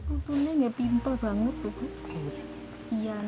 untungnya tidak pintar banget